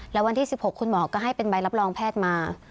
แล้ววันที่๑๖คุณหมอก็ให้เป็นใบรับรองแพทย์มา